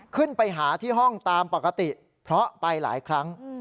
ขึ้นไปหาที่ห้องตามปกติเพราะไปหลายครั้ง